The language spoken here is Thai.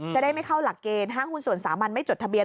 จะได้ไม่เข้าหลักเกณฑ์ห้างหุ้นส่วนสามัญไม่จดทะเบียน